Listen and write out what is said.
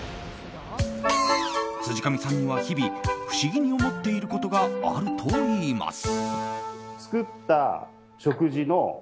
辻上さんには日々不思議に思っていることがあるといいます。